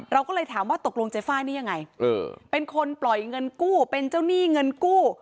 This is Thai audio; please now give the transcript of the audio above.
เราก็เลยถามว่าตกลงเจ๊ฟ้ายนี่ยังไงเป็นคนปล่อยเงินกู้เป็นเจ้าหนี้เงินกู้